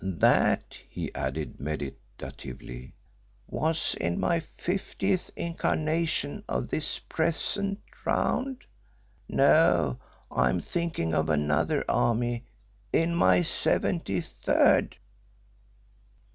That," he added meditatively, "was in my fiftieth incarnation of this present Round no, I am thinking of another army in my seventy third."